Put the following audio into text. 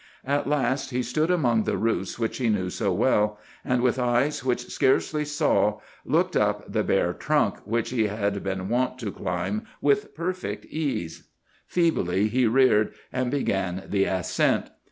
At last he stood among the roots which he knew so well, and with eyes which scarcely saw, looked up the bare trunk which he had been wont to climb with perfect ease. Feebly he reared, and began the ascent.